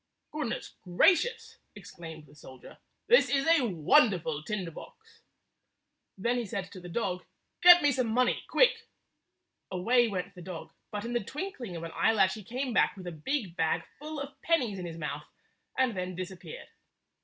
" "Goodness gracious!" exclaimed the soldier. "This is a wonderful tinder box." Then he said to the dog, "Get me some money, quick !" Away went the dog, but in the twinkling of an eyelash he came back with a big bag full of pennies in his mouth, and then disappeared.